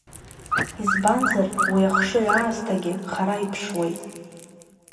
Избанзар уи ахшыҩ аасҭагьы хара иԥшуеит…